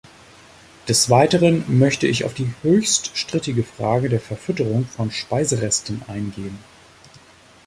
Des Weiteren möchte ich auf die höchst strittige Frage der Verfütterung von Speiseresten eingehen.